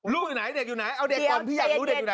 ลูกอยู่ไหนเด็กอยู่ไหนเอาเด็กก่อนพี่อยากรู้เด็กอยู่ไหน